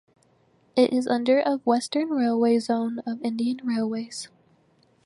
It is under of Western Railway zone of Indian Railways.